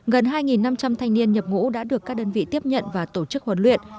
gần hai năm trăm linh thanh niên nhập ngũ đã được các đơn vị tiếp nhận và tổ chức huấn luyện